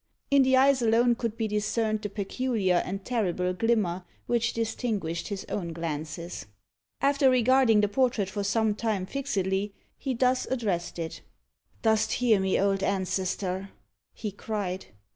In the eyes alone could be discerned the peculiar and terrible glimmer which distinguished his own glances. After regarding the portrait for some time fixedly, he thus addressed it: "Dost hear me, old ancestor?" he cried.